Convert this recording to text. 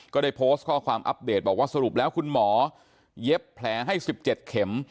ก็ได้โพสต์ข้อความอัปเดตบอกว่าสรุปแล้วคุณหมอเย็บแผลให้๑๗เข็ม